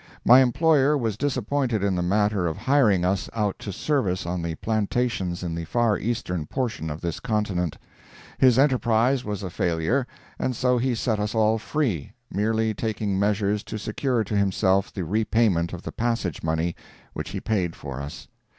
My employer was disappointed in the matter of hiring us out to service on the plantations in the far eastern portion of this continent. His enterprise was a failure, and so he set us all free, merely taking measures to secure to himself the repayment of the passage money which he paid for us.